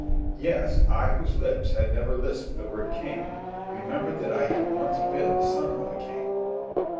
Yes, I, whose lips had never lisped the word "king," remembered that I had once been the son of a king.